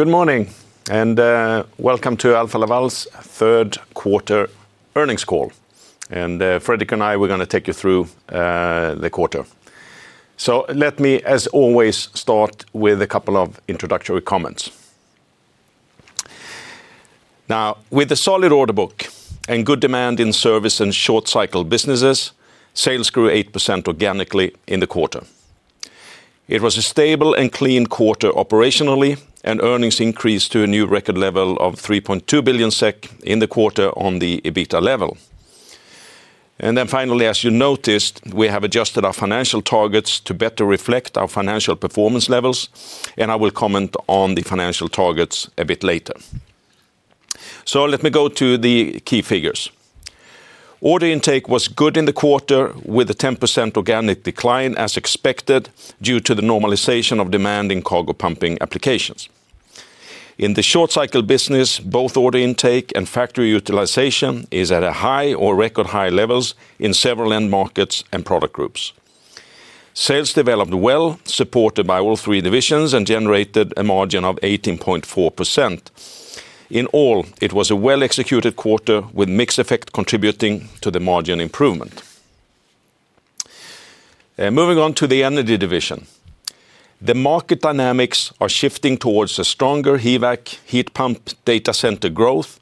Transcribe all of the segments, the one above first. Good morning and welcome to Alfa Laval's third quarter earnings call. Fredrik and I are going to take you through the quarter. Let me, as always, start with a couple of introductory comments. Now, with a solid order book and good demand in service and short cycle businesses, sales grew 8% organically in the quarter. It was a stable and clean quarter operationally, and earnings increased to a new record level of 3.2 billion SEK in the quarter on the EBITDA level. As you noticed, we have adjusted our financial targets to better reflect our financial performance levels, and I will comment on the financial targets a bit later. Let me go to the key figures. Order intake was good in the quarter, with a 10% organic decline as expected due to the normalization of demand in cargo pumping applications. In the short cycle business, both order intake and factory utilization are at high or record high levels in several end markets and product groups. Sales developed well, supported by all three divisions, and generated a margin of 18.4%. In all, it was a well-executed quarter with mixed effect contributing to the margin improvement. Moving on to the Energy division, the market dynamics are shifting towards a stronger HVAC heat pump data center growth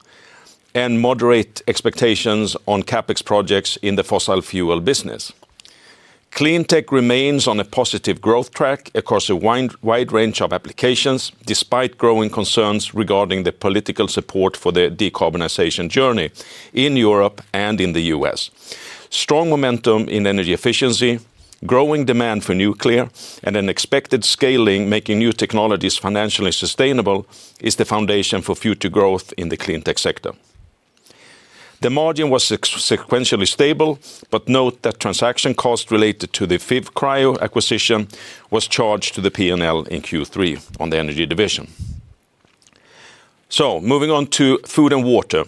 and moderate expectations on CapEx projects in the fossil fuel business. Cleantech remains on a positive growth track across a wide range of applications, despite growing concerns regarding the political support for the decarbonization journey in Europe and in the U.S. Strong momentum in energy efficiency, growing demand for nuclear, and an expected scaling making new technologies financially sustainable is the foundation for future growth in the Cleantech sector. The margin was sequentially stable, but note that transaction costs related to the FIV Cryogenics acquisition were charged to the P&L in Q3 on the Energy division. Moving on to Food and Water,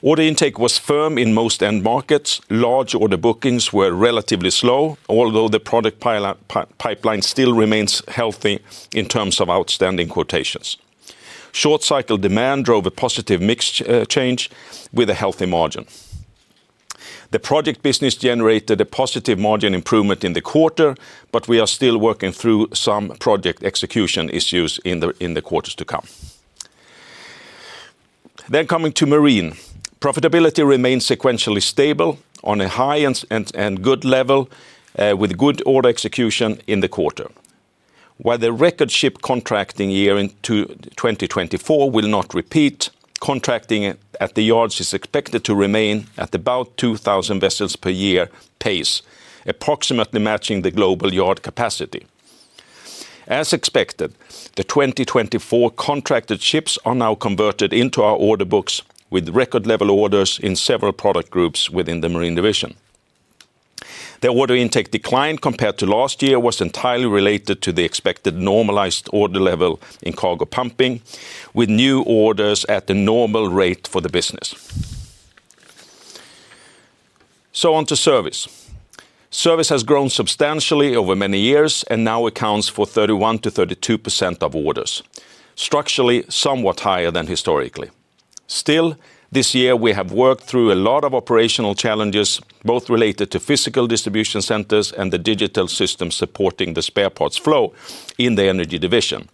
order intake was firm in most end markets. Large order bookings were relatively slow, although the product pipeline still remains healthy in terms of outstanding quotations. Short cycle demand drove a positive mixed change with a healthy margin. The project business generated a positive margin improvement in the quarter, but we are still working through some project execution issues in the quarters to come. Coming to Marine, profitability remains sequentially stable on a high and good level with good order execution in the quarter. While the record ship contracting year in 2024 will not repeat, contracting at the yards is expected to remain at about 2,000 vessels per year pace, approximately matching the global yard capacity. As expected, the 2024 contracted ships are now converted into our order books with record level orders in several product groups within the marine division. The order intake decline compared to last year was entirely related to the expected normalized order level in cargo pumping, with new orders at the normal rate for the business. On to service. Service has grown substantially over many years and now accounts for 31%-32% of orders, structurally somewhat higher than historically. Still, this year we have worked through a lot of operational challenges, both related to physical distribution centers and the digital systems supporting the spare parts flow in the energy division.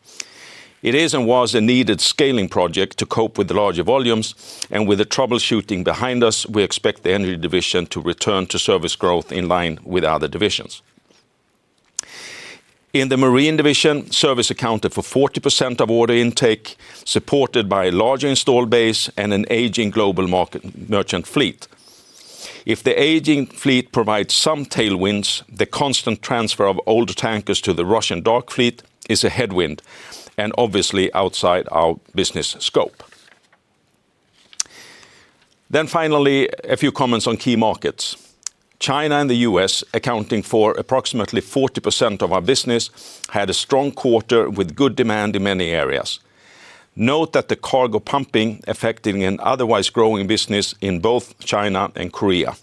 It is and was a needed scaling project to cope with the larger volumes, and with the troubleshooting behind us, we expect the energy division to return to service growth in line with other divisions. In the marine division, service accounted for 40% of order intake, supported by a larger install base and an aging global market merchant fleet. If the aging fleet provides some tailwinds, the constant transfer of older tankers to the Russian dark fleet is a headwind and obviously outside our business scope. Finally, a few comments on key markets. China and the U.S., accounting for approximately 40% of our business, had a strong quarter with good demand in many areas. Note that the cargo pumping affected an otherwise growing business in both China and Korea.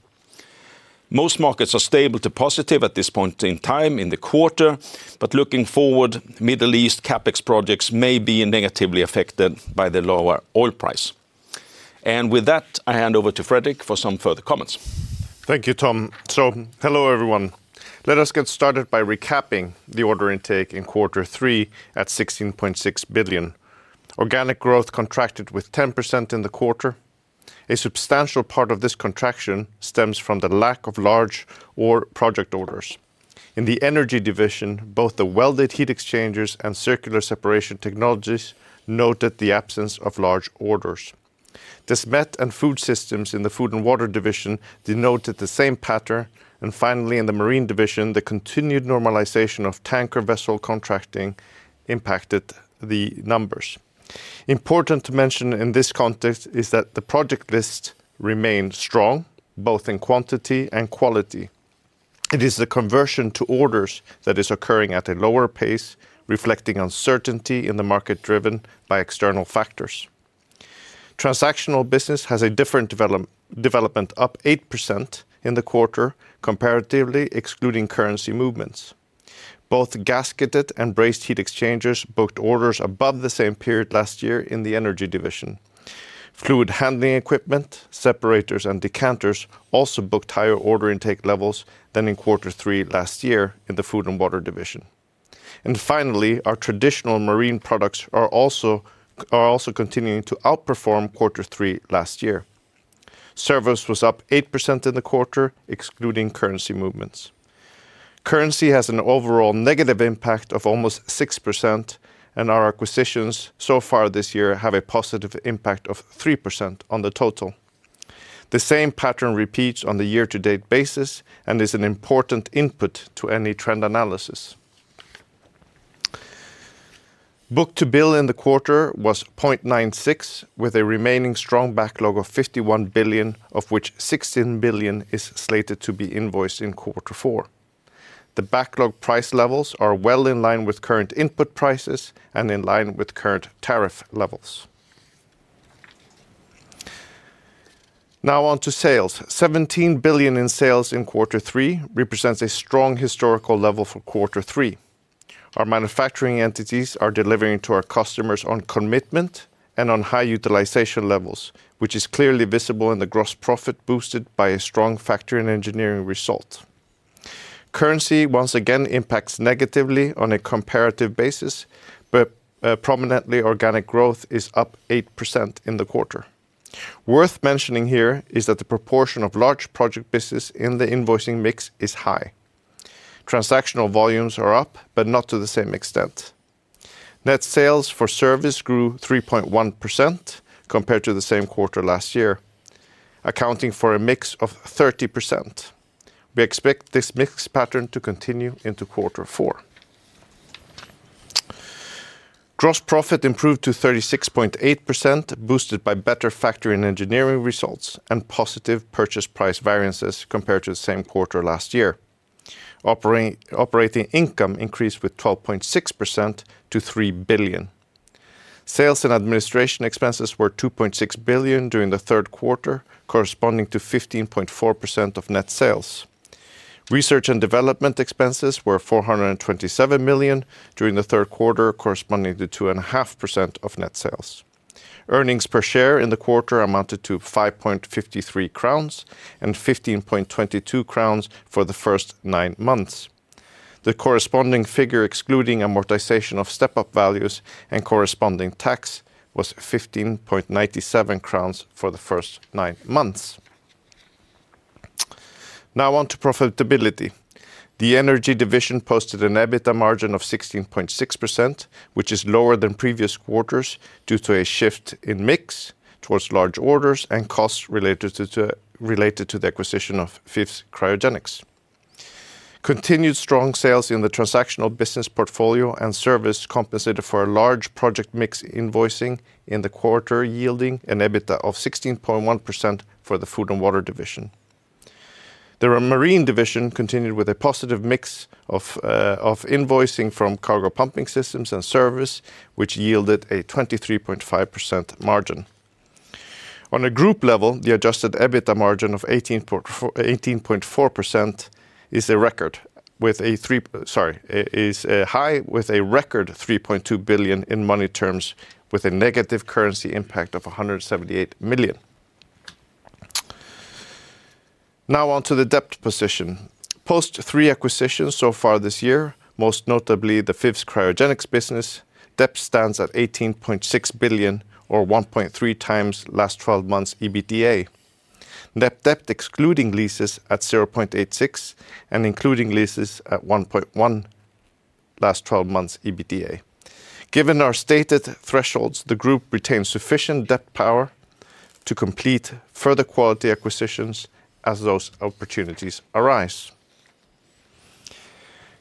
Most markets are stable to positive at this point in time in the quarter. Looking forward, Middle East CapEx projects may be negatively affected by the lower oil price. With that, I hand over to Fredrik for some further comments. Thank you, Tom. Hello everyone. Let us get started by recapping the order intake in quarter three at 16.6 billion. Organic growth contracted with 10% in the quarter. A substantial part of this contraction stems from the lack of large or project orders. In the Energy Division, both the welded heat exchangers and circular separation technologies noted the absence of large orders. The Smet and Food Systems in the Food and Water Division denoted the same pattern, and finally, in the Marine Division, the continued normalization of tanker vessel contracting impacted the numbers. Important to mention in this context is that the project list remains strong, both in quantity and quality. It is the conversion to orders that is occurring at a lower pace, reflecting uncertainty in the market driven by external factors. Transactional business has a different development, up 8% in the quarter, comparatively excluding currency movements. Both gasketed and braced heat exchangers booked orders above the same period last year in the Energy Division. Fluid handling equipment, separators, and decanters also booked higher order intake levels than in quarter three last year in the Food and Water Division. Our traditional marine products are also continuing to outperform quarter three last year. Service was up 8% in the quarter, excluding currency movements. Currency has an overall negative impact of almost 6%, and our acquisitions so far this year have a positive impact of 3% on the total. The same pattern repeats on a year-to-date basis and is an important input to any trend analysis. Book-to-bill in the quarter was 0.96, with a remaining strong backlog of 51 billion, of which 16 billion is slated to be invoiced in quarter four. The backlog price levels are well in line with current input prices and in line with current tariff levels. Now on to sales. 17 billion in sales in quarter three represents a strong historical level for quarter three. Our manufacturing entities are delivering to our customers on commitment and on high utilization levels, which is clearly visible in the gross profit boosted by a strong factory and engineering result. Currency once again impacts negatively on a comparative basis, but prominently organic growth is up 8% in the quarter. Worth mentioning here is that the proportion of large project business in the invoicing mix is high. Transactional volumes are up, but not to the same extent. Net sales for service grew 3.1% compared to the same quarter last year, accounting for a mix of 30%. We expect this mixed pattern to continue into quarter four. Gross profit improved to 36.8%, boosted by better factory and engineering results and positive purchase price variances compared to the same quarter last year. Operating income increased with 12.6% to 3 billion. Sales and administration expenses were 2.6 billion during the third quarter, corresponding to 15.4% of net sales. Research and development expenses were 427 million during the third quarter, corresponding to 2.5% of net sales. Earnings per share in the quarter amounted to 5.53 crowns and 15.22 crowns for the first nine months. The corresponding figure, excluding amortization of step-up values and corresponding tax, was 15.97 crowns for the first nine months. Now on to profitability. The Energy division posted an EBITDA margin of 16.6%, which is lower than previous quarters due to a shift in mix towards large orders and costs related to the acquisition of FIV Cryogenics. Continued strong sales in the transactional business portfolio and service compensated for a large project mix invoicing in the quarter, yielding an EBITDA of 16.1% for the Food and Water division. The Marine division continued with a positive mix of invoicing from cargo pumping systems and service, which yielded a 23.5% margin. On a group level, the adjusted EBITDA margin of 18.4% is a record 3.2 billion in money terms, with a negative currency impact of 178 million. Now on to the debt position. Post three acquisitions so far this year, most notably the FIV Cryogenics business, debt stands at 18.6 billion, or 1.3 times last twelve months EBITDA. Net debt excluding leases at 0.86 and including leases at 1.1 last twelve months EBITDA. Given our stated thresholds, the group retains sufficient debt power to complete further quality acquisitions as those opportunities arise.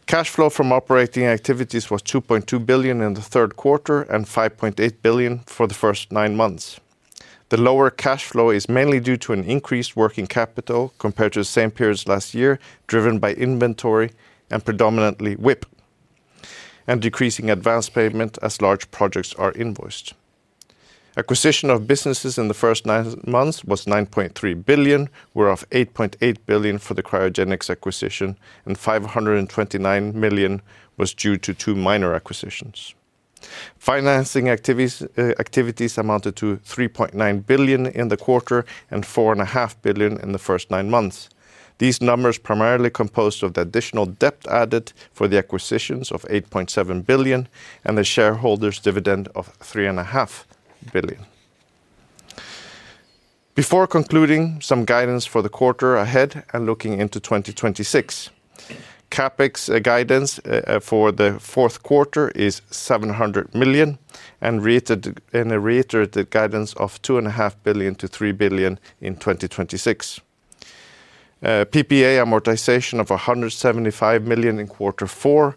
Cash flow from operating activities was 2.2 billion in the third quarter and 5.8 billion for the first nine months. The lower cash flow is mainly due to an increased working capital compared to the same periods last year, driven by inventory and predominantly WIP, and decreasing advance payment as large projects are invoiced. Acquisition of businesses in the first nine months was 9.3 billion, whereof 8.8 billion for the Cryogenics acquisition, and 529 million was due to two minor acquisitions. Financing activities amounted to 3.9 billion in the quarter and 4.5 billion in the first nine months. These numbers are primarily composed of the additional debt added for the acquisitions of 8.7 billion and the shareholders' dividend of 3.5 billion. Before concluding, some guidance for the quarter ahead and looking into 2026. CapEx guidance for the fourth quarter is 700 million and reiterated the guidance of 2.5 billion-3 billion in 2026. PPA amortization of 175 million in quarter four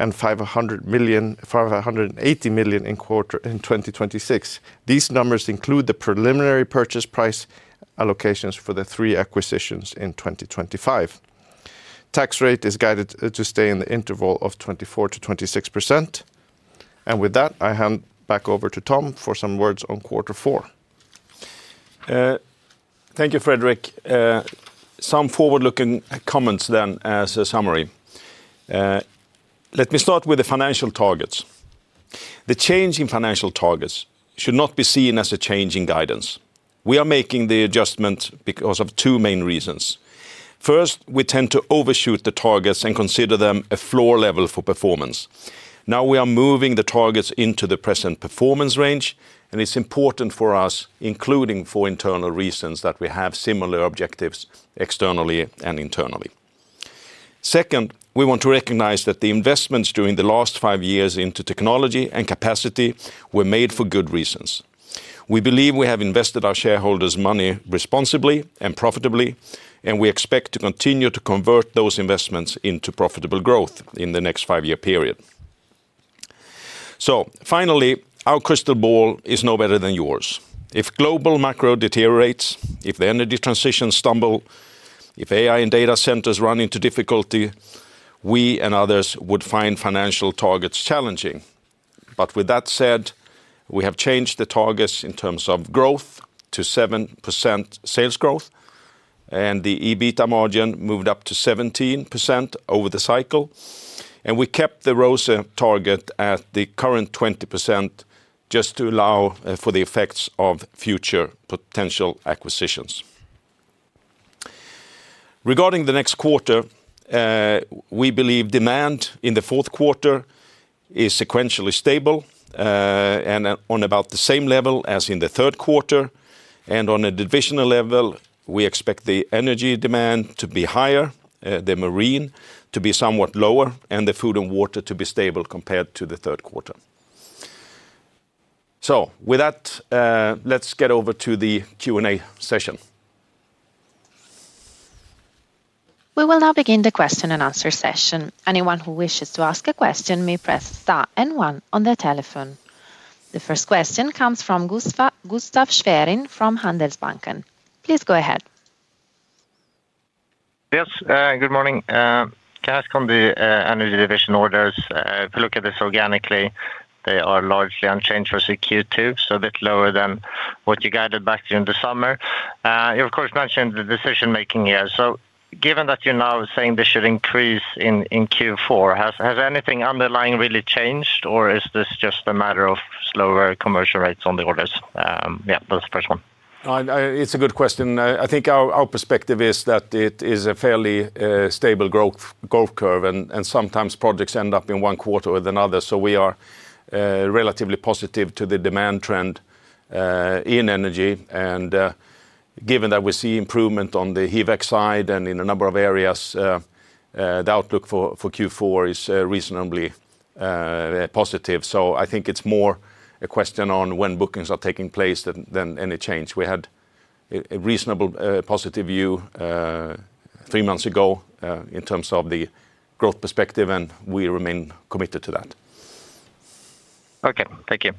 and 580 million in the quarter in 2026. These numbers include the preliminary purchase price allocations for the three acquisitions in 2025. Tax rate is guided to stay in the interval of 24%-26%. With that, I hand back over to Tom for some words on quarter four. Thank you, Fredrik. Some forward-looking comments then as a summary. Let me start with the financial targets. The change in financial targets should not be seen as a change in guidance. We are making the adjustment because of two main reasons. First, we tend to overshoot the targets and consider them a floor level for performance. Now we are moving the targets into the present performance range, and it's important for us, including for internal reasons, that we have similar objectives externally and internally. Second, we want to recognize that the investments during the last five years into technology and capacity were made for good reasons. We believe we have invested our shareholders' money responsibly and profitably, and we expect to continue to convert those investments into profitable growth in the next five-year period. Our crystal ball is no better than yours. If global macro deteriorates, if the energy transition stumbles, if AI and data centers run into difficulty, we and others would find financial targets challenging. With that said, we have changed the targets in terms of growth to 7% sales growth, and the EBITDA margin moved up to 17% over the cycle, and we kept the ROCE target at the current 20% just to allow for the effects of future potential acquisitions. Regarding the next quarter, we believe demand in the fourth quarter is sequentially stable and on about the same level as in the third quarter, and on a divisional level, we expect the energy demand to be higher, the marine to be somewhat lower, and the food and water to be stable compared to the third quarter. With that, let's get over to the Q&A session. We will now begin the question-and-answer session. Anyone who wishes to ask a question may press star and one on their telephone. The first question comes from Gustaf Schwerin from Handelsbanken. Please go ahead. Yes, good morning. Can I ask on the Energy division orders? If we look at this organically, they are largely unchanged versus Q2, so a bit lower than what you guided back during the summer. You, of course, mentioned the decision-making here. Given that you're now saying they should increase in Q4, has anything underlying really changed, or is this just a matter of slower conversion rates on the orders? Yeah, that's the first one. It's a good question. I think our perspective is that it is a fairly stable growth curve, and sometimes projects end up in one quarter or another. We are relatively positive to the demand trend in energy, and given that we see improvement on the HVAC side and in a number of areas, the outlook for Q4 is reasonably positive. I think it's more a question on when bookings are taking place than any change. We had a reasonably positive view three months ago in terms of the growth perspective, and we remain committed to that. Okay, thank you.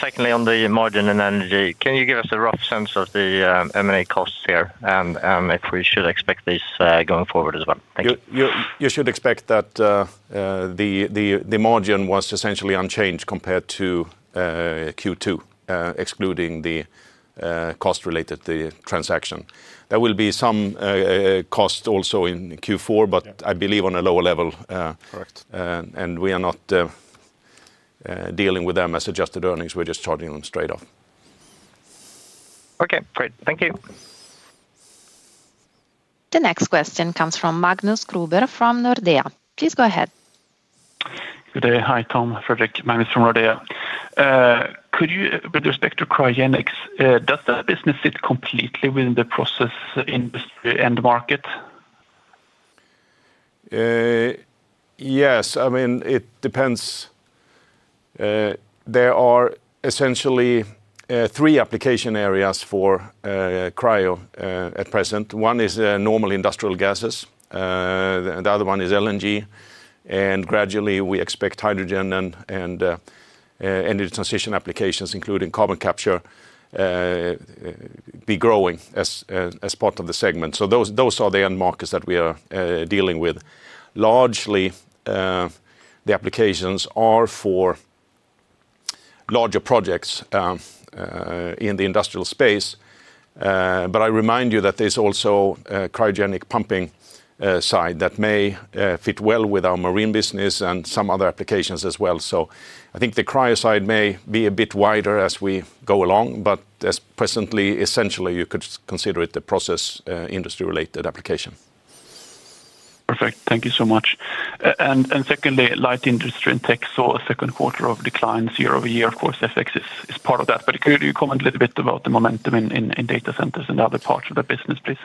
Secondly, on the margin in Energy, can you give us a rough sense of the M&A costs here and if we should expect these going forward as well? You should expect that the margin was essentially unchanged compared to Q2, excluding the cost-related transaction. There will be some costs also in Q4, but I believe on a lower level. We are not dealing with them as adjusted earnings. We're just charging them straight off. Okay, great. Thank you. The next question comes from Magnus Kruber from Nordea. Please go ahead. Good day. Hi, Tom, Fredrik, Magnus from Nordea. With respect to Cryogenics, does that business sit completely within the process industry and market? Yes, I mean, it depends. There are essentially three application areas for cryo at present. One is normal industrial gases, the other one is LNG, and gradually we expect hydrogen and energy transition applications, including carbon capture, to be growing as part of the segment. Those are the end markets that we are dealing with. Largely, the applications are for larger projects in the industrial space, but I remind you that there's also a cryogenic pumping side that may fit well with our marine business and some other applications as well. I think the cryo side may be a bit wider as we go along, but as presently, essentially, you could consider it the process industry-related application. Perfect. Thank you so much. Secondly, light industry and tech, a second quarter of declines. Of course, FX is part of that. Could you comment a little bit about the momentum in data centers and the other parts of the business, please?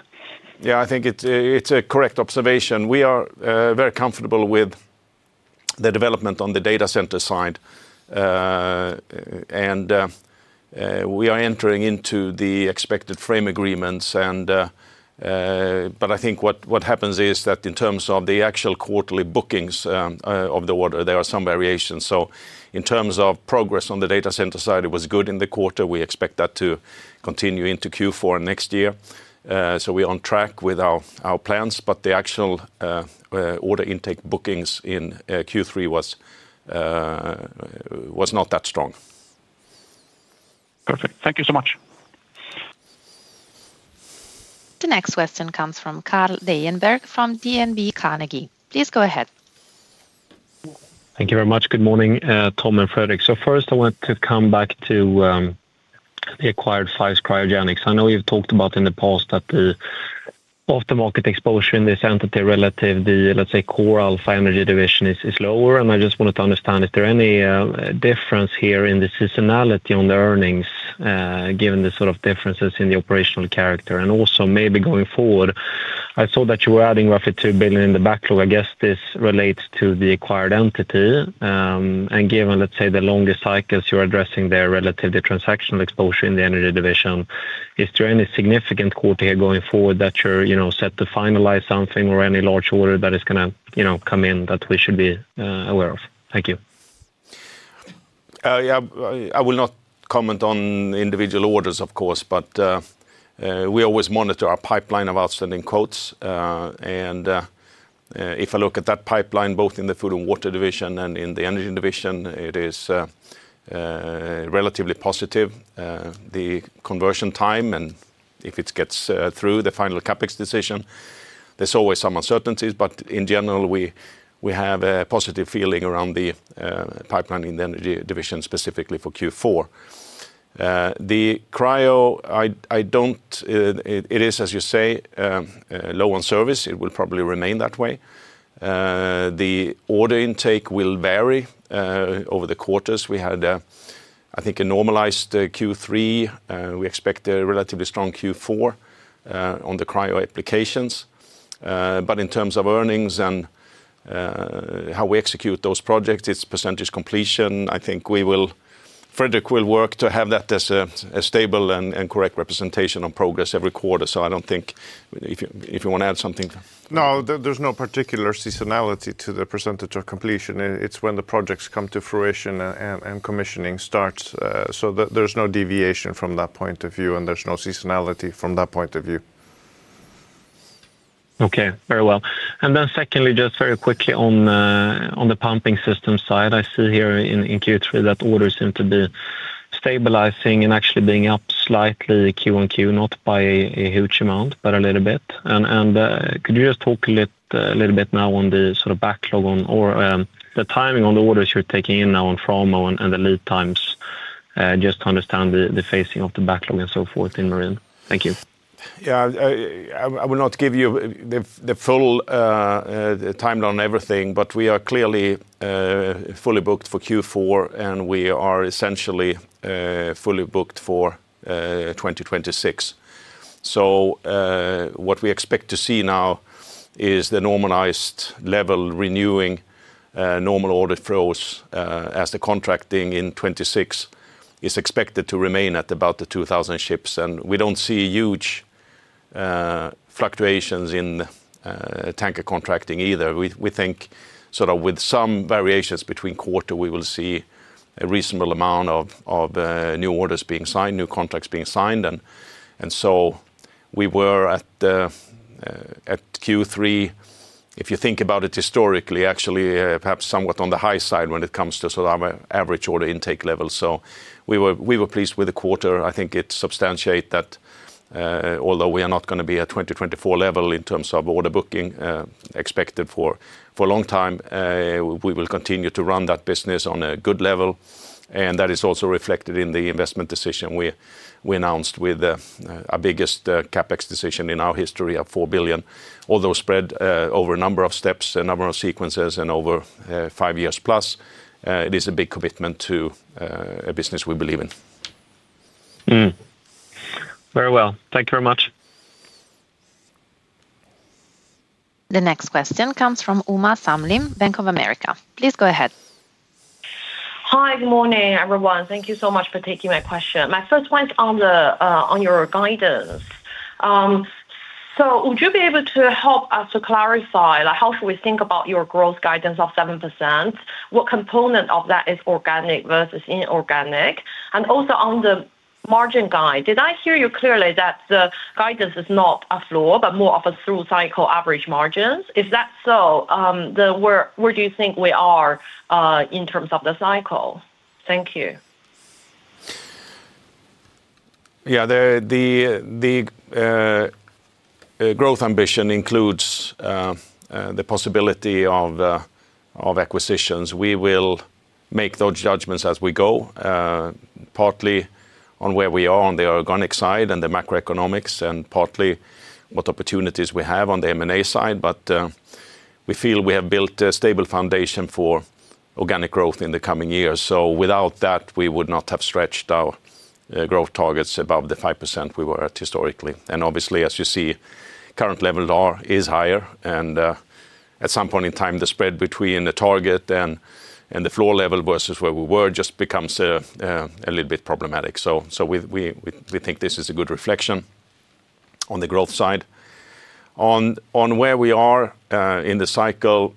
Yeah, I think it's a correct observation. We are very comfortable with the development on the data center side, and we are entering into the expected frame agreements. I think what happens is that in terms of the actual quarterly bookings of the order, there are some variations. In terms of progress on the data center side, it was good in the quarter. We expect that to continue into Q4 next year. We're on track with our plans, but the actual order intake bookings in Q3 was not that strong. Perfect. Thank you so much. The next question comes from Carl Dejgaard from DNB Carnegie. Please go ahead. Thank you very much. Good morning, Tom and Fredrik. First, I want to come back to the acquired FIV Cryogenics. I know we've talked about in the past that the aftermarket exposure in this entity relative to the, let's say, core Alfa Laval Energy Division is lower, and I just wanted to understand, is there any difference here in the seasonality on the earnings given the sort of differences in the operational character? Also, maybe going forward, I saw that you were adding roughly 2 billion in the backlog. I guess this relates to the acquired entity. Given, let's say, the longest cycles you're addressing there relative to the transactional exposure in the Energy Division, is there any significant quarter here going forward that you're set to finalize something or any large order that is going to come in that we should be aware of? Thank you. Yeah, I will not comment on individual orders, of course, but we always monitor our pipeline of outstanding quotes. If I look at that pipeline, both in the Food and Water Division and in the Energy Division, it is relatively positive. The conversion time, and if it gets through the final CapEx decision, there's always some uncertainties, but in general, we have a positive feeling around the pipeline in the Energy Division specifically for Q4. The cryo, I don't, it is, as you say, low on service. It will probably remain that way. The order intake will vary over the quarters. We had, I think, a normalized Q3. We expect a relatively strong Q4 on the cryo applications. In terms of earnings and how we execute those projects, it's percentage completion. I think Fredrik will work to have that as a stable and correct representation on progress every quarter. I don't think, if you want to add something? No, there's no particular seasonality to the percentage of completion. It's when the projects come to fruition and commissioning starts. There's no deviation from that point of view, and there's no seasonality from that point of view. Okay, very well. Secondly, just very quickly on the pumping system side, I see here in Q3 that orders seem to be stabilizing and actually being up slightly Q1Q, not by a huge amount, but a little bit. Could you just talk a little bit now on the sort of backlog or the timing on the orders you're taking in now on Framo and the lead times, just to understand the phasing of the backlog and so forth in marine? Thank you. I will not give you the full timeline on everything, but we are clearly fully booked for Q4, and we are essentially fully booked for 2026. What we expect to see now is the normalized level renewing normal order flows as the contracting in 2026 is expected to remain at about the 2,000 ships. We do not see huge fluctuations in tanker contracting either. We think with some variations between quarters, we will see a reasonable amount of new orders being signed, new contracts being signed. At Q3, if you think about it historically, actually perhaps somewhat on the high side when it comes to average order intake levels. We were pleased with the quarter. I think it substantiates that although we are not going to be at 2024 level in terms of order booking expected for a long time, we will continue to run that business on a good level. That is also reflected in the investment decision we announced with our biggest CapEx decision in our history of 4 billion. Although spread over a number of steps, a number of sequences, and over five years plus, it is a big commitment to a business we believe in. Very well, thank you very much. The next question comes from Uma Samlin Bank of America. Please go ahead. Hi, good morning everyone. Thank you so much for taking my question. My first one is on your guidance. Would you be able to help us to clarify how should we think about your growth guidance of 7%? What component of that is organic versus inorganic? Also, on the margin guide, did I hear you clearly that the guidance is not a floor, but more of a through cycle average margins? If that's so, where do you think we are in terms of the cycle? Thank you. Yeah, the growth ambition includes the possibility of acquisitions. We will make those judgments as we go, partly on where we are on the organic side and the macroeconomics, and partly what opportunities we have on the M&A side. We feel we have built a stable foundation for organic growth in the coming years. Without that, we would not have stretched our growth targets above the 5% we were at historically. Obviously, as you see, current level is higher. At some point in time, the spread between the target and the floor level versus where we were just becomes a little bit problematic. We think this is a good reflection on the growth side. On where we are in the cycle,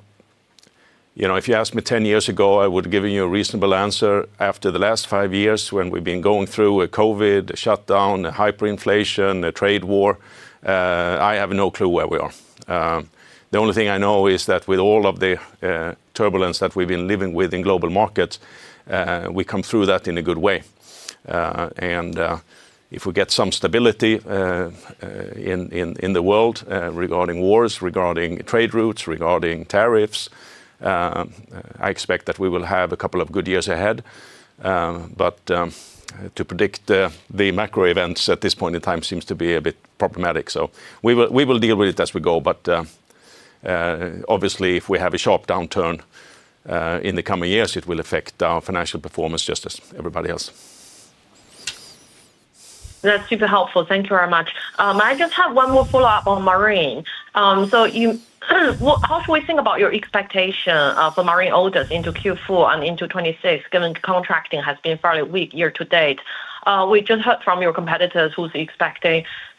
you know, if you asked me 10 years ago, I would have given you a reasonable answer. After the last five years, when we've been going through a COVID, a shutdown, a hyperinflation, a trade war, I have no clue where we are. The only thing I know is that with all of the turbulence that we've been living with in global markets, we come through that in a good way. If we get some stability in the world regarding wars, regarding trade routes, regarding tariffs, I expect that we will have a couple of good years ahead. To predict the macro events at this point in time seems to be a bit problematic. We will deal with it as we go. Obviously, if we have a sharp downturn in the coming years, it will affect our financial performance just as everybody else. That's super helpful. Thank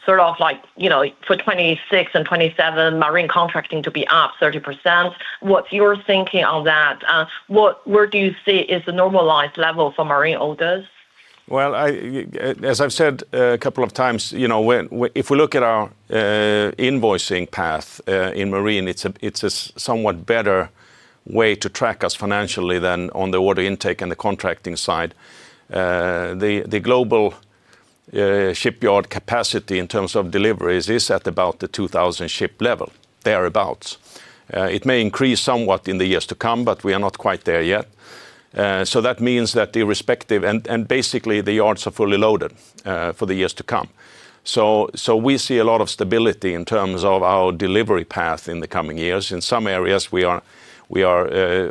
you very much. I just have one more follow-up on marine. How should we think about your expectation for marine orders into Q4 and into 2026, given contracting has been fairly weak year to date? We just heard from your competitors who are expecting, for 2026 and 2027, marine contracting to be up 30%. What's your thinking on that? Where do you see is the normalized level for marine orders? If we look at our invoicing path in marine, it's a somewhat better way to track us financially than on the order intake and the contracting side. The global shipyard capacity in terms of deliveries is at about the 2,000 ship level, thereabouts. It may increase somewhat in the years to come, but we are not quite there yet. That means that the respective, and basically the yards are fully loaded for the years to come. We see a lot of stability in terms of our delivery path in the coming years. In some areas, we are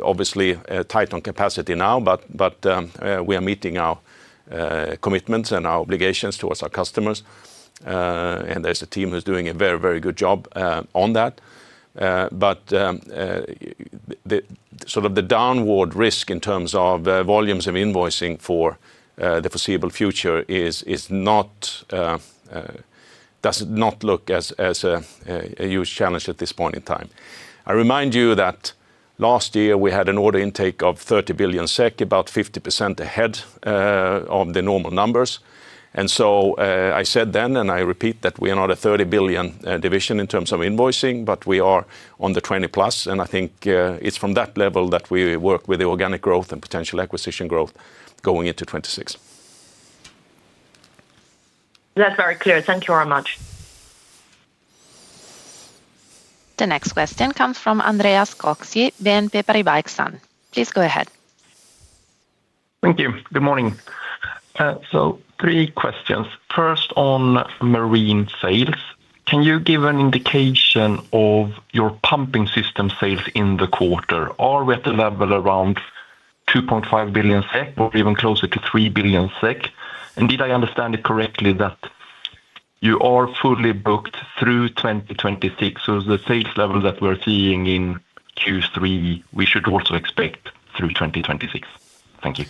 obviously tight on capacity now, but we are meeting our commitments and our obligations towards our customers. There's a team who's doing a very, very good job on that. The downward risk in terms of volumes of invoicing for the foreseeable future does not look as a huge challenge at this point in time. I remind you that last year we had an order intake of 30 billion SEK, about 50% ahead of the normal numbers. I said then, and I repeat that we are not a 30 billion division in terms of invoicing, but we are on the 20 billion plus. I think it's from that level that we work with the organic growth and potential acquisition growth going into 2026. That's very clear. Thank you very much. The next question comes from Andreas Koski, BNP Paribas Exane. Please go ahead. Thank you. Good morning. Three questions. First on marine sales. Can you give an indication of your pumping system sales in the quarter? Are we at the level around 2.5 billion SEK or even closer to 3 billion SEK? Did I understand it correctly that you are fully booked through 2026? The sales level that we're seeing in Q3, we should also expect through 2026. Thank you.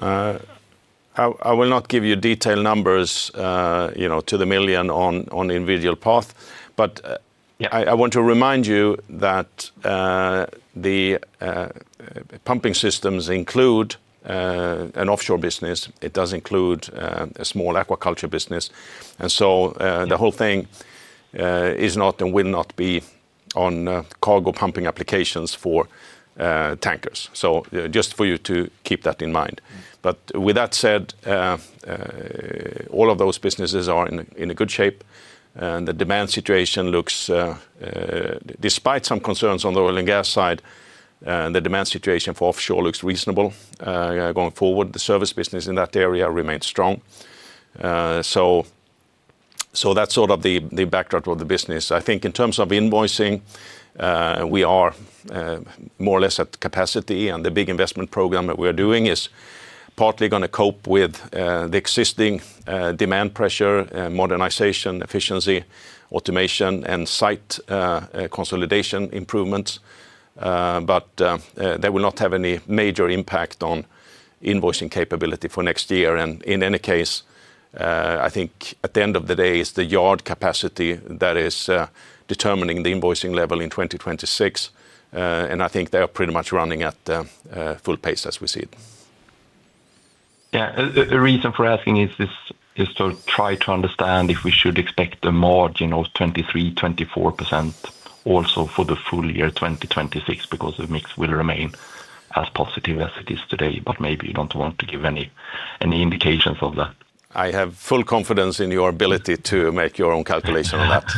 I will not give you detailed numbers, you know, to the million on the individual path. I want to remind you that the pumping systems include an offshore business. It does include a small aquaculture business, and the whole thing is not and will not be on cargo pumping applications for tankers. Just for you to keep that in mind. With that said, all of those businesses are in good shape, and the demand situation looks, despite some concerns on the oil and gas side, the demand situation for offshore looks reasonable going forward. The service business in that area remains strong. That's sort of the backdrop of the business. I think in terms of invoicing, we are more or less at capacity, and the big investment program that we're doing is partly going to cope with the existing demand pressure, modernization, efficiency, automation, and site consolidation improvements. That will not have any major impact on invoicing capability for next year. In any case, I think at the end of the day, it's the yard capacity that is determining the invoicing level in 2026, and I think they are pretty much running at full pace as we see it. Yeah, the reason for asking is to try to understand if we should expect a margin of 23% or 24% also for the full year 2026 because the mix will remain as positive as it is today. Maybe you don't want to give any indications of that. I have full confidence in your ability to make your own calculation on that.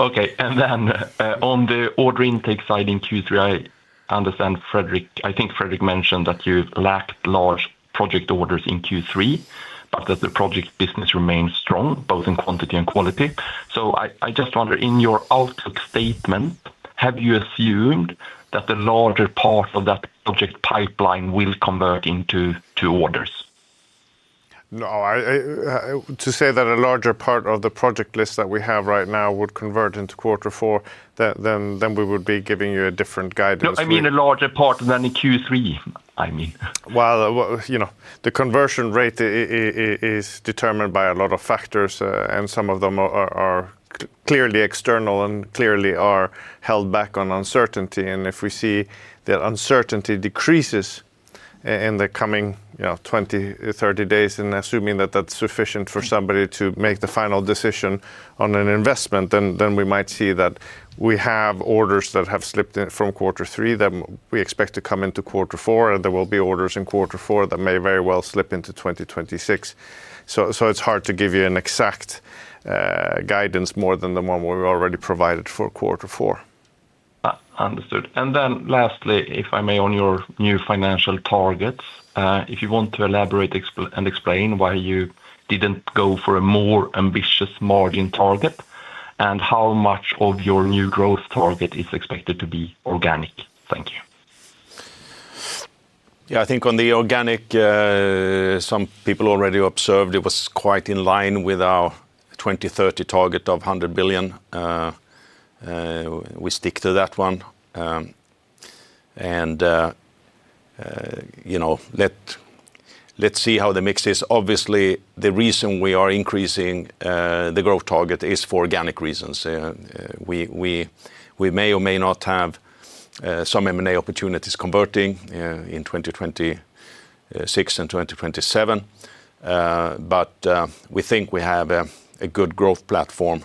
Okay. On the order intake side in Q3, I understand Fredrik, I think Fredrik mentioned that you lacked large project orders in Q3, but that the project business remains strong, both in quantity and quality. I just wonder, in your outlook statement, have you assumed that the larger part of that project pipeline will convert into two orders? To say that a larger part of the project list that we have right now would convert into quarter four, then we would be giving you a different guidance. No, I mean a larger part than in Q3, I mean. The conversion rate is determined by a lot of factors, and some of them are clearly external and clearly are held back on uncertainty. If we see that uncertainty decreases in the coming 20, 30 days, and assuming that that's sufficient for somebody to make the final decision on an investment, we might see that we have orders that have slipped in from quarter three that we expect to come into quarter four, and there will be orders in quarter four that may very well slip into 2026. It's hard to give you an exact guidance more than the one we already provided for quarter four. Understood. Lastly, if I may, on your new financial targets, if you want to elaborate and explain why you didn't go for a more ambitious margin target and how much of your new growth target is expected to be organic. Thank you. Yeah, I think on the organic, some people already observed it was quite in line with our 2030 target of 100 billion. We stick to that one. Let's see how the mix is. Obviously, the reason we are increasing the growth target is for organic reasons. We may or may not have some M&A opportunities converting in 2026 and 2027. We think we have a good growth platform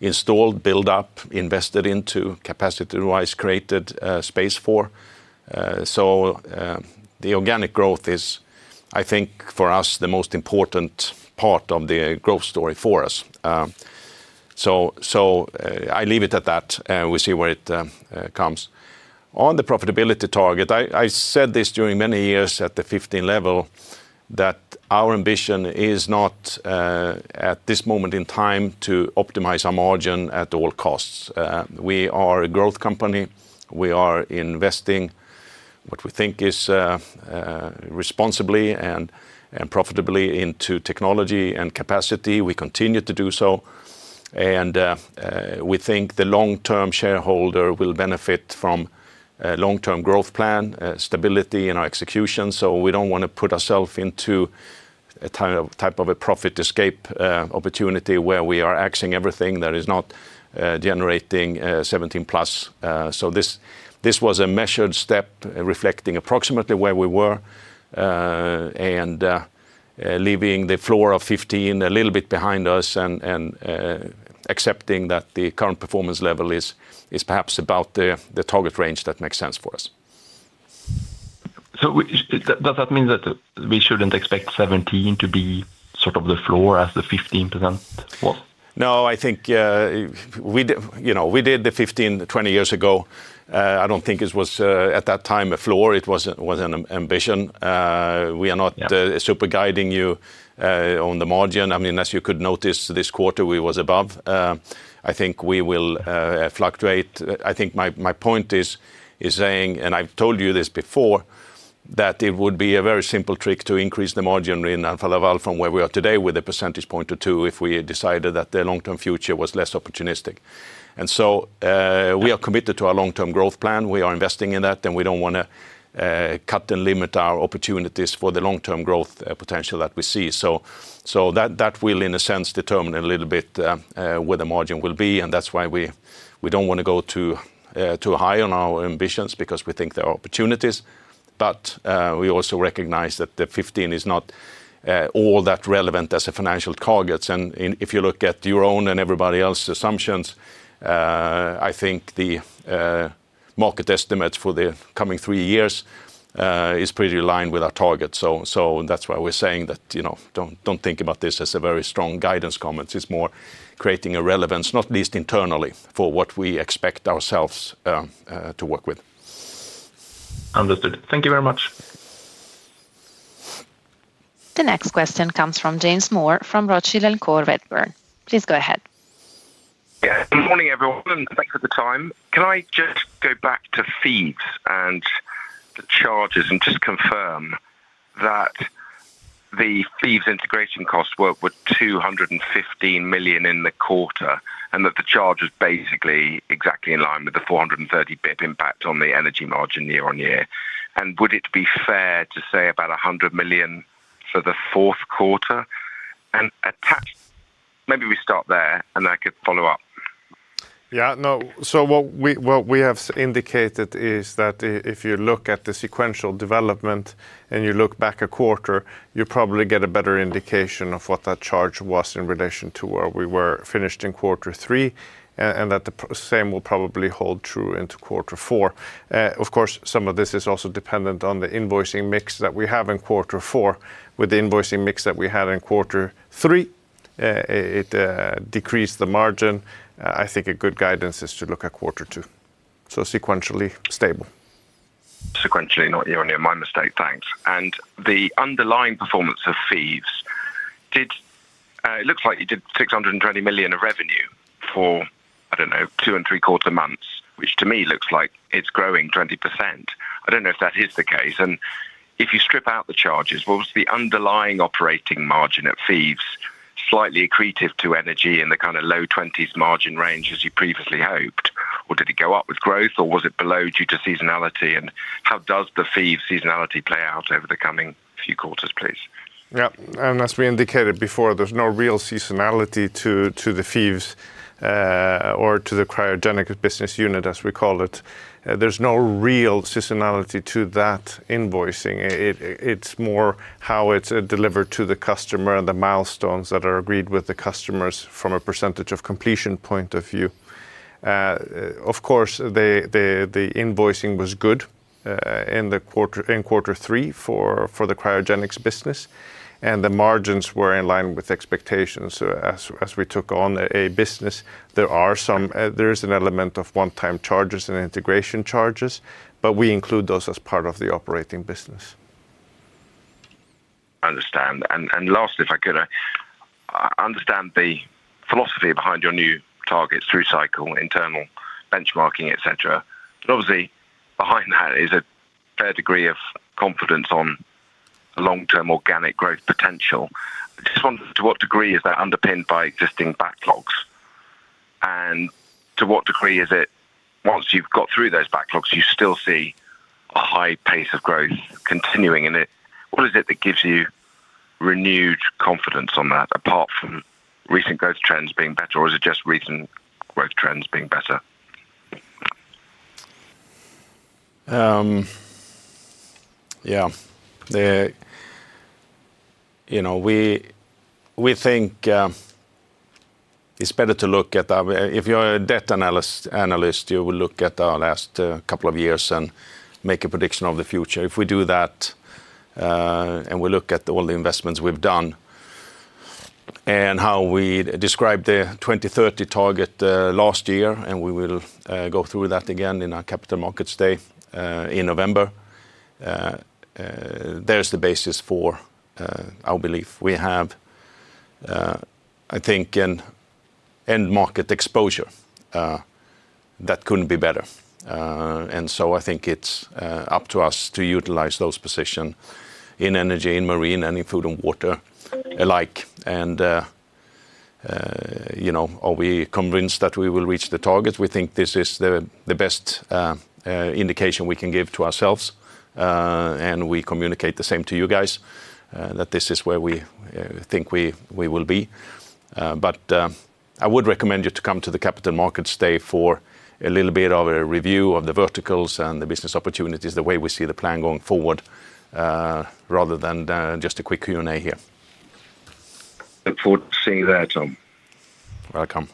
installed, built up, invested into, capacity-wise created space for. The organic growth is, I think, for us, the most important part of the growth story for us. I leave it at that. We see where it comes. On the profitability target, I said this during many years at the 15% level, that our ambition is not at this moment in time to optimize our margin at all costs. We are a growth company. We are investing what we think is responsibly and profitably into technology and capacity. We continue to do so. We think the long-term shareholder will benefit from a long-term growth plan, stability in our execution. We don't want to put ourselves into a type of a profit escape opportunity where we are axing everything that is not generating 17% plus. This was a measured step reflecting approximately where we were and leaving the floor of 15% a little bit behind us and accepting that the current performance level is perhaps about the target range that makes sense for us. Does that mean that we shouldn't expect 17% to be sort of the floor as the 15% was? No, I think we did the 15 20 years ago. I don't think it was at that time a floor. It was an ambition. We are not super guiding you on the margin. I mean, as you could notice this quarter, we were above. I think we will fluctuate. My point is saying, and I've told you this before, that it would be a very simple trick to increase the margin in Alfa Laval from where we are today with a percentage point or two if we decided that the long-term future was less opportunistic. We are committed to our long-term growth plan. We are investing in that, and we don't want to cut and limit our opportunities for the long-term growth potential that we see. That will, in a sense, determine a little bit where the margin will be. That's why we don't want to go too high on our ambitions because we think there are opportunities. We also recognize that the 15 is not all that relevant as a financial target. If you look at your own and everybody else's assumptions, I think the market estimates for the coming three years are pretty aligned with our targets. That's why we're saying that, you know, don't think about this as a very strong guidance comment. It's more creating a relevance, not least internally, for what we expect ourselves to work with. Understood. Thank you very much. The next question comes from James Moore from RBC Capital Markets. Please go ahead. Good morning everyone, and thanks for the time. Can I just go back to FIV Cryogenics and the charges and just confirm that the FIV Cryogenics integration costs were 215 million in the quarter and that the charge was basically exactly in line with the 430 basis points impact on the energy margin year on year? Would it be fair to say about 100 million for the fourth quarter? Maybe we start there and then I could follow up. What we have indicated is that if you look at the sequential development and you look back a quarter, you probably get a better indication of what that charge was in relation to where we were finished in quarter three, and that the same will probably hold true into quarter four. Of course, some of this is also dependent on the invoicing mix that we have in quarter four. With the invoicing mix that we had in quarter three, it decreased the margin. I think a good guidance is to look at quarter two. Sequentially stable. Sequentially, not year on year. My mistake, thanks. The underlying performance of FIV, it looks like you did $620 million in revenue for, I don't know, two and three quarter months, which to me looks like it's growing 20%. I don't know if that is the case. If you strip out the charges, what was the underlying operating margin at FIV, slightly accretive to Energy in the kind of low 20% margin range as you previously hoped? Did it go up with growth or was it below due to seasonality? How does the FIV seasonality play out over the coming few quarters, please? Yeah, as we indicated before, there's no real seasonality to the FIV Cryogenics or to the cryogenic business unit, as we call it. There's no real seasonality to that invoicing. It's more how it's delivered to the customer and the milestones that are agreed with the customers from a percentage of completion point of view. Of course, the invoicing was good in quarter three for the cryogenics business, and the margins were in line with expectations. As we took on a business, there is an element of one-time charges and integration charges, but we include those as part of the operating business. I understand. Lastly, if I could, I understand the philosophy behind your new targets, through cycle, internal benchmarking, etc. Obviously, behind that is a fair degree of confidence on a long-term organic growth potential. I just wonder to what degree is that underpinned by existing backlogs? To what degree is it, once you've got through those backlogs, you still see a high pace of growth continuing? What is it that gives you renewed confidence on that, apart from recent growth trends being better, or is it just recent growth trends being better? Yeah, we think it's better to look at, if you're a debt analyst, you will look at the last couple of years and make a prediction of the future. If we do that and we look at all the investments we've done and how we describe the 2030 target last year, we will go through that again in our capital markets day in November. There's the basis for our belief. We have, I think, an end market exposure that couldn't be better. I think it's up to us to utilize those positions in energy, in marine, and in food and water alike. Are we convinced that we will reach the targets? We think this is the best indication we can give to ourselves. We communicate the same to you guys, that this is where we think we will be. I would recommend you to come to the capital markets day for a little bit of a review of the verticals and the business opportunities, the way we see the plan going forward, rather than just a quick Q&A here. Looking forward to seeing you there, Tom. Welcome.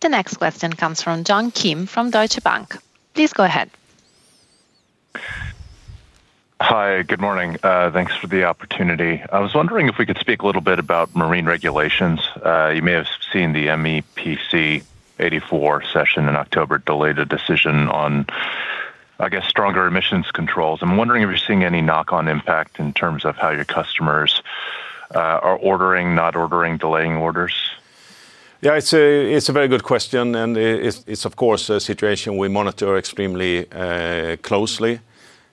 The next question comes from John Kim from Deutsche Bank. Please go ahead. Hi, good morning. Thanks for the opportunity. I was wondering if we could speak a little bit about marine regulations. You may have seen the MEPC 84 session in October delay the decision on, I guess, stronger emissions controls. I'm wondering if you're seeing any knock-on impact in terms of how your customers are ordering, not ordering, delaying orders. Yeah, it's a very good question. It's, of course, a situation we monitor extremely closely.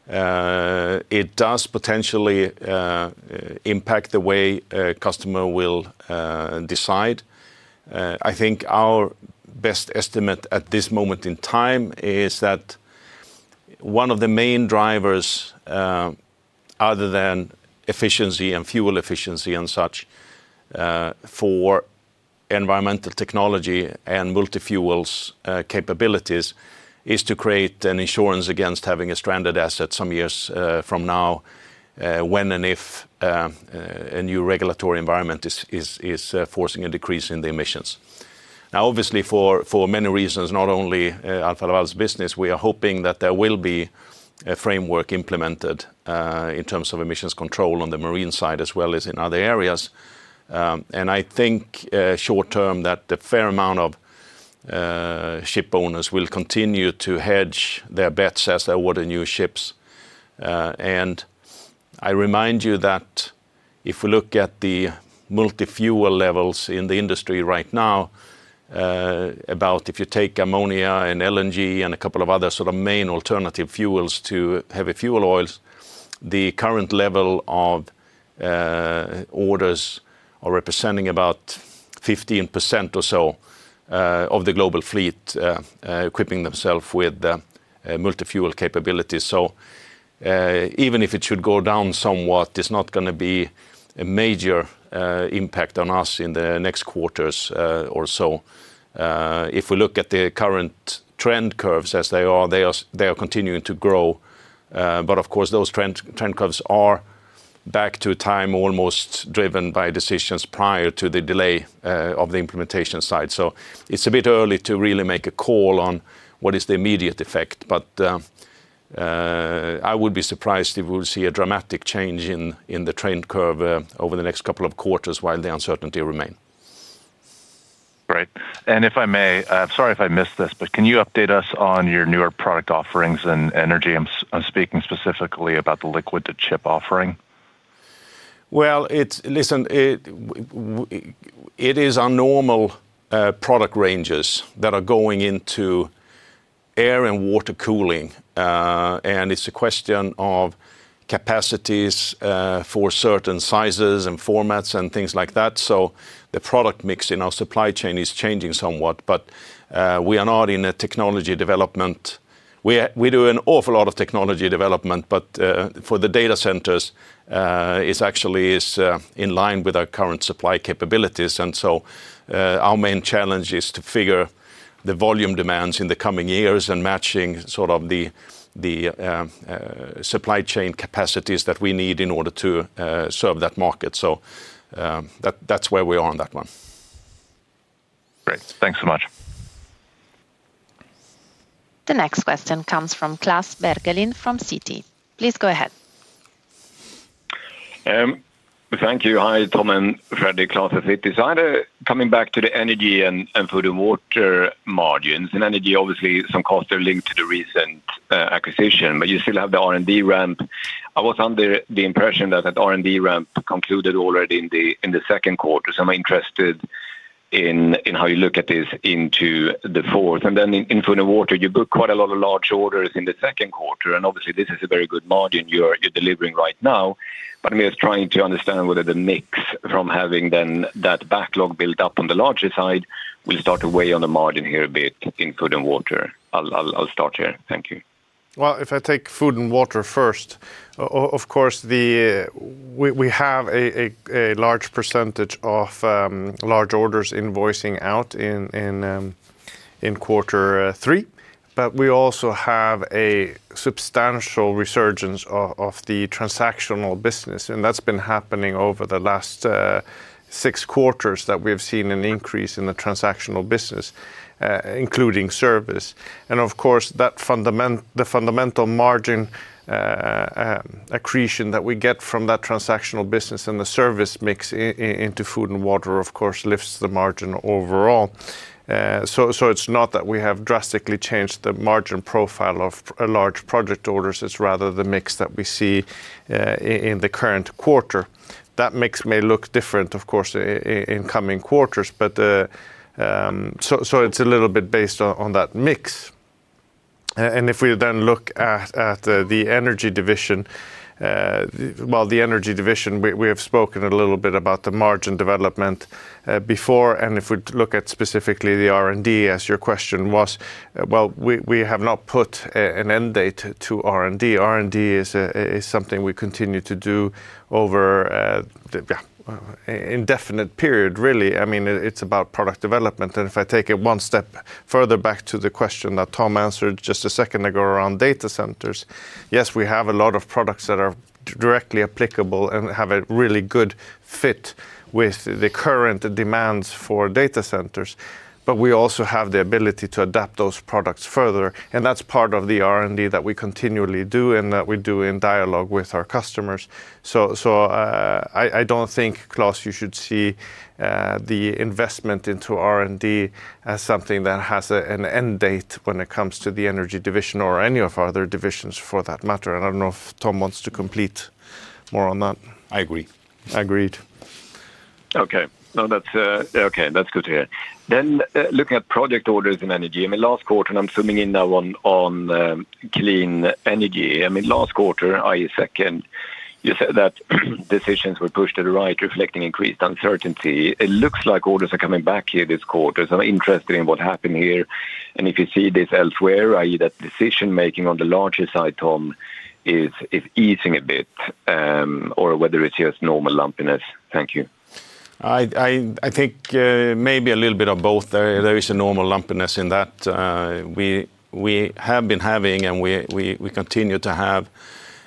It does potentially impact the way a customer will decide. I think our best estimate at this moment in time is that one of the main drivers, other than efficiency and fuel efficiency and such, for environmental technology and multi-fuels capabilities, is to create an insurance against having a stranded asset some years from now when and if a new regulatory environment is forcing a decrease in the emissions. Obviously, for many reasons, not only Alfa Laval's business, we are hoping that there will be a framework implemented in terms of emissions control on the marine side as well as in other areas. I think short term that the fair amount of ship owners will continue to hedge their bets as they order new ships. I remind you that if we look at the multi-fuel levels in the industry right now, about if you take ammonia and LNG and a couple of other sort of main alternative fuels to heavy fuel oils, the current level of orders are representing about 15% or so of the global fleet equipping themselves with multi-fuel capabilities. Even if it should go down somewhat, it's not going to be a major impact on us in the next quarters or so. If we look at the current trend curves as they are, they are continuing to grow. Of course, those trend curves are back to a time almost driven by decisions prior to the delay of the implementation side. It's a bit early to really make a call on what is the immediate effect. I would be surprised if we would see a dramatic change in the trend curve over the next couple of quarters while the uncertainty remains. Right. If I may, I'm sorry if I missed this, but can you update us on your newer product offerings in energy? I'm speaking specifically about the liquid to chip offering. It is our normal product ranges that are going into air and water cooling. It is a question of capacities for certain sizes and formats and things like that. The product mix in our supply chain is changing somewhat, but we are not in a technology development. We do an awful lot of technology development, but for the data centers, it actually is in line with our current supply capabilities. Our main challenge is to figure the volume demands in the coming years and matching sort of the supply chain capacities that we need in order to serve that market. That is where we are on that one. Great. Thanks so much. The next question comes from Klas Bergelind from Citi. Please go ahead. Thank you. Hi, Tom and Fredrik. Klas at Citi. Coming back to the energy and food and water margins, in energy, obviously, some costs are linked to the recent acquisition, but you still have the R&D ramp. I was under the impression that that R&D ramp concluded already in the second quarter. I'm interested in how you look at this into the fourth. In food and water, you book quite a lot of large orders in the second quarter. Obviously, this is a very good margin you're delivering right now. I'm just trying to understand whether the mix from having then that backlog built up on the larger side will start to weigh on the margin here a bit in food and water. I'll start here. Thank you. If I take food and water first, of course, we have a large percentage of large orders invoicing out in quarter three. We also have a substantial resurgence of the transactional business. That's been happening over the last six quarters that we've seen an increase in the transactional business, including service. The fundamental margin accretion that we get from that transactional business and the service mix into food and water, of course, lifts the margin overall. It's not that we have drastically changed the margin profile of large project orders. It's rather the mix that we see in the current quarter. That mix may look different, of course, in coming quarters. It's a little bit based on that mix. If we then look at the energy division, the energy division, we have spoken a little bit about the margin development before. If we look at specifically the R&D, as your question was, we have not put an end date to R&D. R&D is something we continue to do over an indefinite period, really. It's about product development. If I take it one step further back to the question that Tom answered just a second ago around data centers, yes, we have a lot of products that are directly applicable and have a really good fit with the current demands for data centers. We also have the ability to adapt those products further. That's part of the R&D that we continually do and that we do in dialogue with our customers. I don't think, Klas, you should see the investment into R&D as something that has an end date when it comes to the energy division or any of our other divisions for that matter. I don't know if Tom wants to complete more on that. I agree. Agreed. Okay, that's good to hear. Looking at project orders in energy, last quarter, and I'm zooming in now on clean energy. Last quarter, i.e. second, you said that decisions were pushed to the right, reflecting increased uncertainty. It looks like orders are coming back here this quarter. I'm interested in what happened here, and if you see this elsewhere, i.e. that decision making on the larger side, Tom, is easing a bit or whether it's just normal lumpiness. Thank you. I think maybe a little bit of both. There is a normal lumpiness in that. We have been having and we continue to have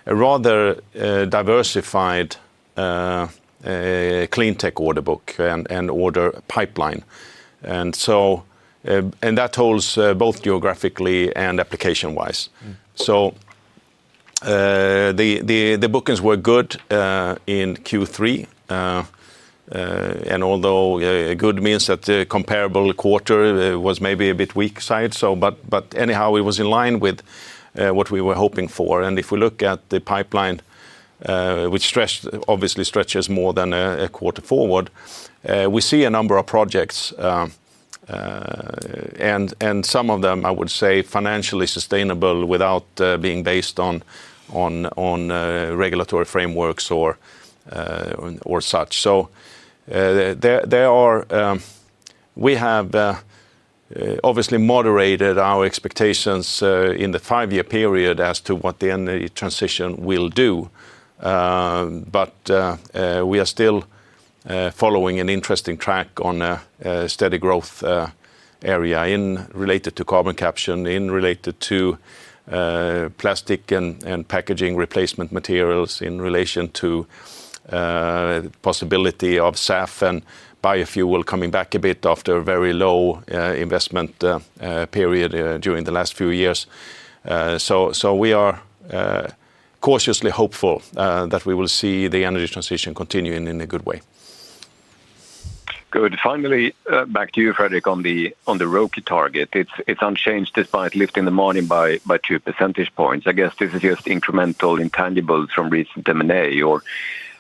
a rather diversified Cleantech order book and order pipeline. That holds both geographically and application-wise. The bookings were good in Q3, although good means that the comparable quarter was maybe a bit on the weak side, but anyhow, it was in line with what we were hoping for. If we look at the pipeline, which obviously stretches more than a quarter forward, we see a number of projects. Some of them, I would say, are financially sustainable without being based on regulatory frameworks or such. We have obviously moderated our expectations in the five-year period as to what the energy transition will do. We are still following an interesting track on a steady growth area related to carbon capture, related to plastic and packaging replacement materials, in relation to the possibility of SAF and biofuel coming back a bit after a very low investment period during the last few years. We are cautiously hopeful that we will see the energy transition continuing in a good way. Good. Finally, back to you, Fredrik, on the ROCE target. It's unchanged despite lifting the margin by 2%. I guess this is just incremental intangibles from recent M&A. Or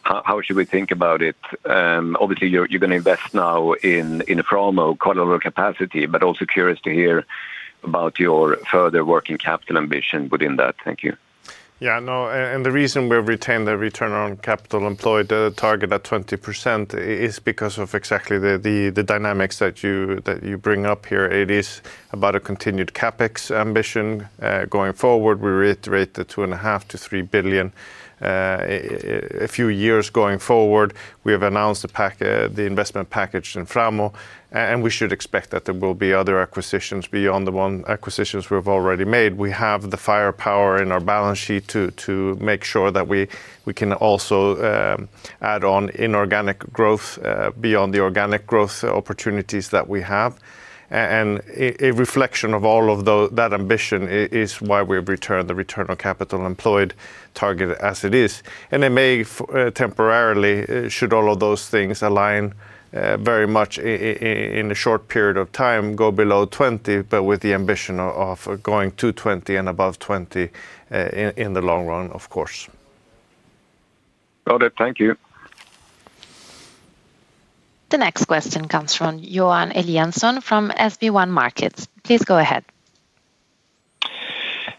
how should we think about it? Obviously, you're going to invest now in FIV Cryogenics, quite a lot of capacity, but also curious to hear about your further working capital ambition within that. Thank you. Yeah, no, the reason we've retained the return on capital employed at a target at 20% is because of exactly the dynamics that you bring up here. It is about a continued CapEx ambition going forward. We reiterate the 2.5 billion-3 billion a few years going forward. We have announced the investment package in Framo, and we should expect that there will be other acquisitions beyond the one acquisition we've already made. We have the firepower in our balance sheet to make sure that we can also add on inorganic growth beyond the organic growth opportunities that we have. A reflection of all of that ambition is why we have returned the return on capital employed target as it is. It may temporarily, should all of those things align very much in a short period of time, go below 20%, with the ambition of going to 20% and above 20% in the long run, of course. Got it. Thank you. The next question comes from Johan Eliasson from SEB. Please go ahead.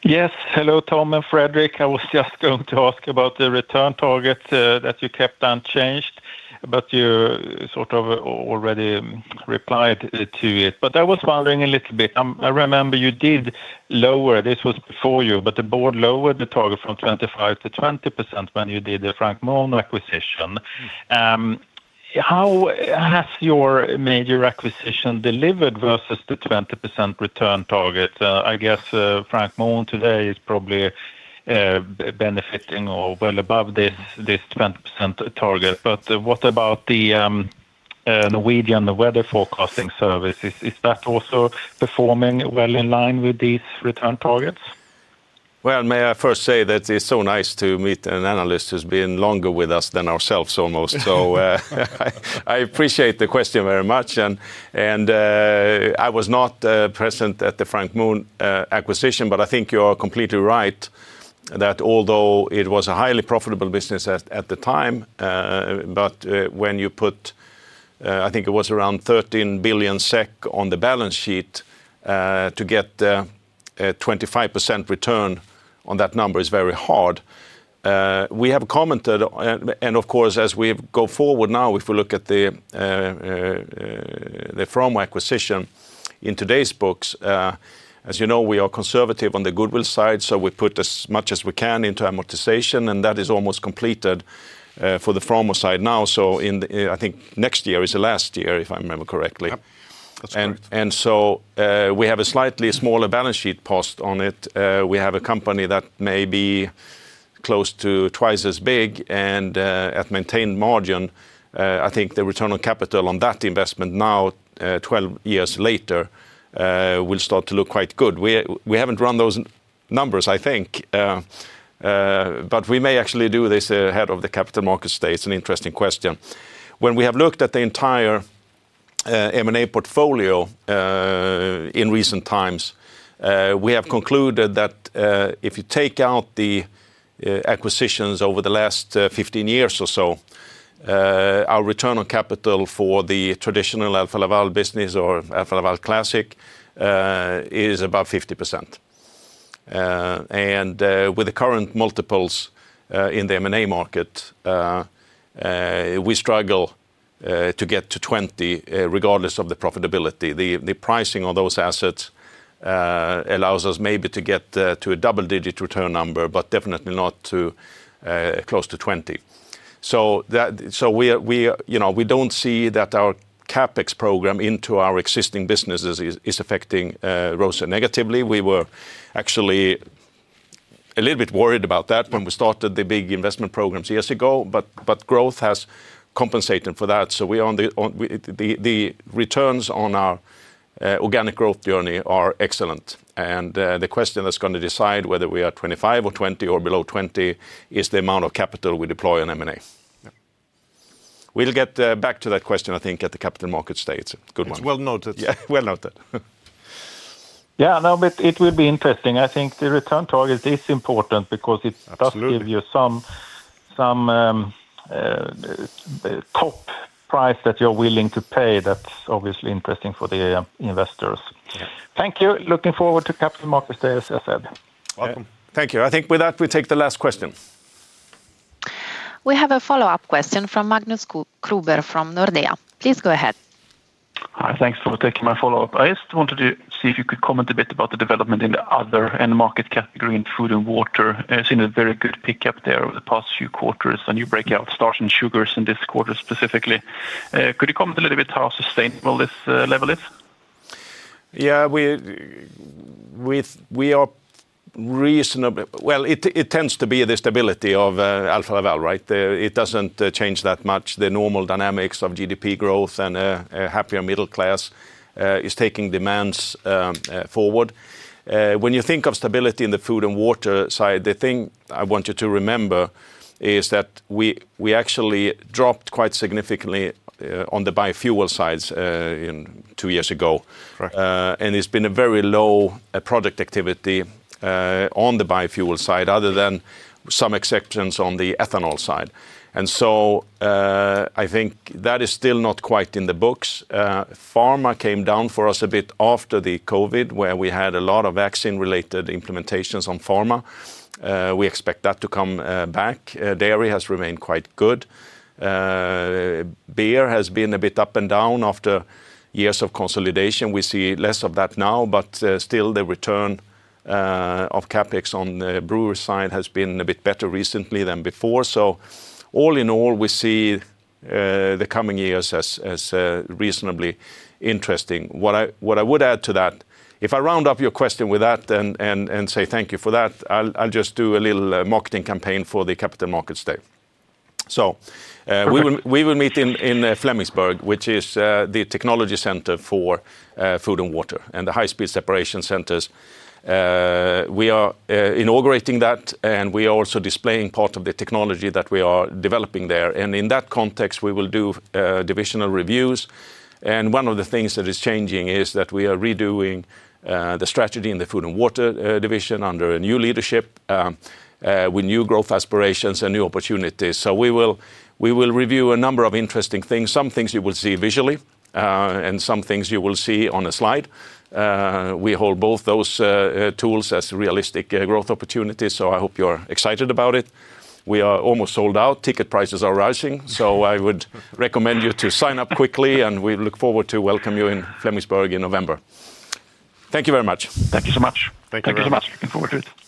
Yes, hello Tom and Fredrik. I was just going to ask about the return targets that you kept unchanged, but you sort of already replied to it. I was wondering a little bit, I remember you did lower, this was before you, but the board lowered the target from 25% to 20% when you did the Frank Mohn acquisition. How has your major acquisition delivered versus the 20% return target? I guess Frank Mohn today is probably benefiting well above this 20% target. What about the Norwegian Weather Forecasting Service? Is that also performing well in line with these return targets? It is so nice to meet an analyst who's been longer with us than ourselves almost. I appreciate the question very much. I was not present at the Frank Mohn acquisition, but I think you are completely right that although it was a highly profitable business at the time, when you put, I think it was around 13 billion SEK on the balance sheet, to get a 25% return on that number is very hard. We have commented, and of course as we go forward now, if we look at the Framo acquisition in today's books, as you know, we are conservative on the goodwill side, so we put as much as we can into amortization, and that is almost completed for the Framo side now. I think next year is the last year, if I remember correctly. We have a slightly smaller balance sheet passed on it. We have a company that may be close to twice as big and at maintained margin. I think the return on capital on that investment now, 12 years later, will start to look quite good. We haven't run those numbers, I think, but we may actually do this ahead of the capital market state. It's an interesting question. When we have looked at the entire M&A portfolio in recent times, we have concluded that if you take out the acquisitions over the last 15 years or so, our return on capital for the traditional Alfa Laval business or Alfa Laval Classic is about 50%. With the current multiples in the M&A market, we struggle to get to 20% regardless of the profitability. The pricing on those assets allows us maybe to get to a double-digit return number, but definitely not close to 20%. We don't see that our CapEx program into our existing businesses is affecting ROCE negatively. We were actually a little bit worried about that when we started the big investment programs years ago, but growth has compensated for that. The returns on our organic growth journey are excellent. The question that's going to decide whether we are 25% or 20% or below 20% is the amount of capital we deploy on M&A. We'll get back to that question, I think, at the capital market state. Good one. Well noted. Yeah, no, it will be interesting. I think the return target is important because it does give you some top price that you're willing to pay. That's obviously interesting for the investors. Thank you. Looking forward to capital markets day, as I said. Thank you. I think with that, we take the last question. We have a follow-up question from Magnus Kruber from Nordea. Please go ahead. Hi, thanks for taking my follow-up. I just wanted to see if you could comment a bit about the development in the other end market category in Food and Water. I've seen a very good pickup there over the past few quarters. A new breakout starts in sugars in this quarter specifically. Could you comment a little bit how sustainable this level is? Yeah, we are reasonably... It tends to be the stability of Alfa Laval, right? It doesn't change that much. The normal dynamics of GDP growth and a happier middle class is taking demands forward. When you think of stability in the food and water side, the thing I want you to remember is that we actually dropped quite significantly on the biofuel sides two years ago. It's been a very low project activity on the biofuel side, other than some exceptions on the ethanol side. I think that is still not quite in the books. Pharma came down for us a bit after the COVID, where we had a lot of vaccine-related implementations on pharma. We expect that to come back. Dairy has remained quite good. Beer has been a bit up and down after years of consolidation. We see less of that now, but still the return of CapEx on the brewery side has been a bit better recently than before. All in all, we see the coming years as reasonably interesting. What I would add to that, if I round up your question with that and say thank you for that, I'll just do a little marketing campaign for the capital markets day. We will meet in Flemingsburg, which is the technology center for food and water and the high-speed separation centers. We are inaugurating that, and we are also displaying part of the technology that we are developing there. In that context, we will do divisional reviews. One of the things that is changing is that we are redoing the strategy in the food and water division under a new leadership with new growth aspirations and new opportunities. We will review a number of interesting things. Some things you will see visually, and some things you will see on a slide. We hold both those tools as realistic growth opportunities. I hope you're excited about it. We are almost sold out. Ticket prices are rising. I would recommend you to sign up quickly, and we look forward to welcoming you in Flemingsburg in November. Thank you very much. Thank you so much. Thank you so much. Looking forward to it.